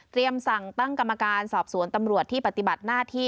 สั่งตั้งกรรมการสอบสวนตำรวจที่ปฏิบัติหน้าที่